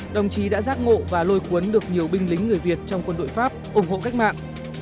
đồng chí đã giác ngộ và lôi cuốn được nhiều binh lính người việt trong quân đội pháp ủng hộ cách mạng